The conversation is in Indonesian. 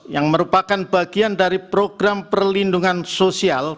yang merupakan bagian dari program perlindungan sosial